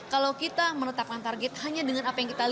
kalau kita menetapkan target hanya dengan apa yang kita lakukan